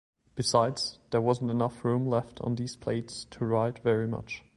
Besides, there wasn't enough room left on these plates to write very much.